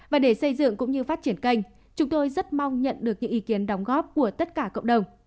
và để xây dựng cũng như phát triển kênh chúng tôi rất mong nhận được những ý kiến đóng góp của tất cả cộng đồng